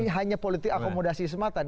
hanya politik akomodasi semata